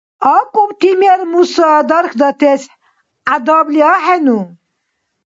АкӀубти мер-муса дархьдатес гӀядабли ахӀену?